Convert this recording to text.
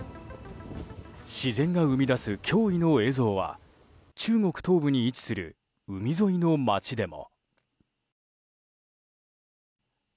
自然が生み出す驚異の映像は中国東部に位置する海沿いの街でも。